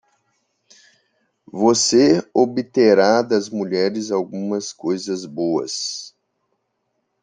Você obterá das mulheres algumas coisas boas.